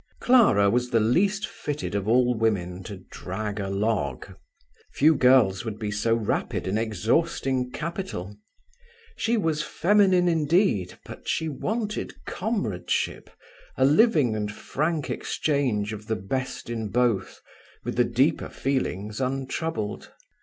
Clara was the least fitted of all women to drag a log. Few girls would be so rapid in exhausting capital. She was feminine indeed, but she wanted comradeship, a living and frank exchange of the best in both, with the deeper feelings untroubled.